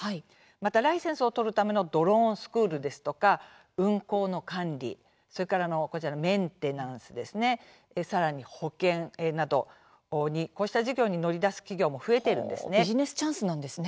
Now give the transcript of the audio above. また、ライセンスを取るためのドローンスクールですとか運航の管理、メンテナンスさらに保険などにこうした事業に乗り出す企業も増えているんですね。